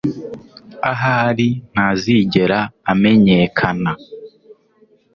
Ahari ntazigera amenyekana